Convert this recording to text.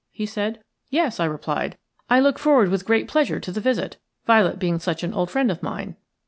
he said. "Yes," I replied. "I look forward with great pleasure to the visit, Violet being such an old friend of mine."